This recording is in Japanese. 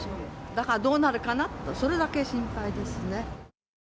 だからどうなるかな、それだけ心配ですね。